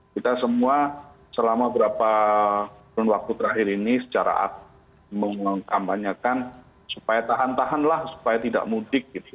kita semua selama berapa menit waktu terakhir ini secara mengambanyakan supaya tahan tahan lah supaya tidak mudik gitu